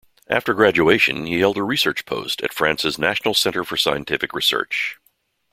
After graduation, he held a research post at France's National Center for Scientific Research.